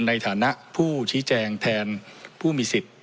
ในฐานะผู้ชี้แจงแทนผู้มีสิทธิ์